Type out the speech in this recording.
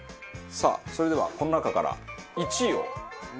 さあそれではこの中から１位を。